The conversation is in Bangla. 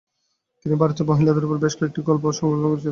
তিনি ভারতীয় মহিলাদের উপর বেশ কয়েকটি গল্প সংকলন করেছিলেন।